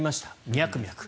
ミャクミャク。